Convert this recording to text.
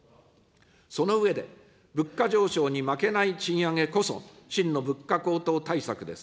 その上で、物価上昇に負けない賃上げこそ、真の物価高騰対策です。